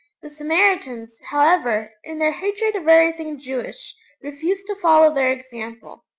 The Samaritans, however, in their hatred of everything Jewish, refused to follow their example.